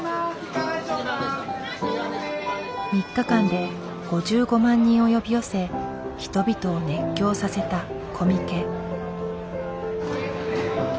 ３日間で５５万人を呼び寄せ人々を熱狂させたコミケ。